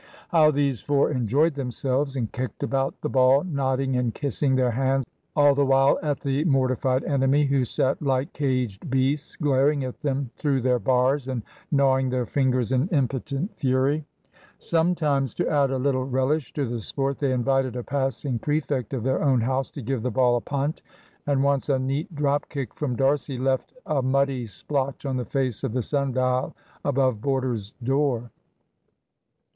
How these four enjoyed themselves and kicked about the ball, nodding and kissing their hands all the while at the mortified enemy, who sat like caged beasts glaring at them through their bars, and gnawing their fingers in impotent fury! Sometimes, to add a little relish to the sport, they invited a passing prefect of their own house to give the ball a punt, and once a neat drop kick from D'Arcy left a muddy splotch on the face of the sundial above border's door.